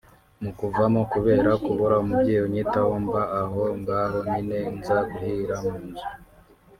mu kuvamo kubera kubura umubyeyi unyitaho mba aho ngaho nyine nza guhira mu nzu